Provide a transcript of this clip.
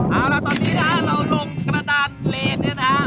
เอาล่ะตอนนี้นะเราลงกระดานเลนเนี่ยนะ